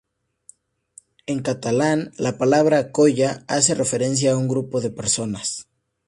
En catalán, la palabra "colla" hace referencia a un grupo de personas.